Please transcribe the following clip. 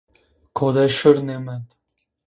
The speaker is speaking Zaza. Ko de şir nêmend.